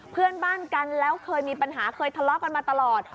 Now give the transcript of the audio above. เพื่อนบ้านกันแล้วเคยมีปัญหาเคยทะเลาะกันมาตลอด